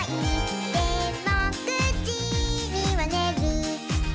「でも９じにはねる」